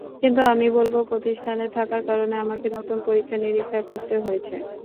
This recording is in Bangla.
কিন্তু আমি বলব, প্রতিষ্ঠানে থাকার কারণে আমাকে নতুন পরীক্ষা-নিরীক্ষা করতে হয়েছে।